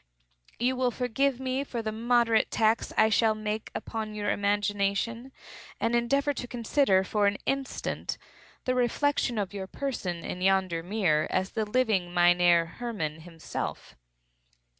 You will forgive me for the moderate tax I shall make upon your imagination, and endeavor to consider, for an instant, the reflection of your person in yonder mirror as the living Mynheer Hermann himself.